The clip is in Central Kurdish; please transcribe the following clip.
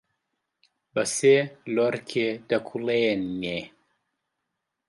بەسێ لۆرکێ دەکوڵێنێ